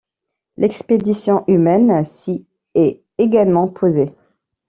L'expédition humaine s'y est également posée.